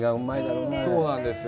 そうなんですよ。